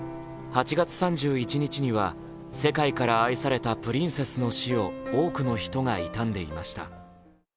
８月３１日には世界から愛されたプリンセスの死を多くの人が悼んでいました。